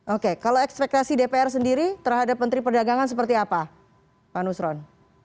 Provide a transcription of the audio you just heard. oke kalau ekspektasi dpr sendiri terhadap menteri perdagangan seperti apa pak nusron